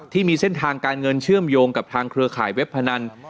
ที่มีเส้นทางการเงินเชื่อมโยงกับทางเครือข่ายเว็บพนัน